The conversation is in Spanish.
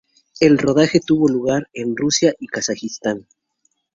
El rodaje tuvo lugar en Rusia y Kazajistán.